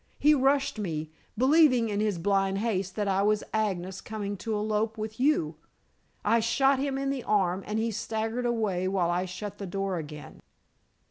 He rushed me, believing in his blind haste that I was Agnes coming to elope with you. I shot him in the arm, and he staggered away, while I shut the door again.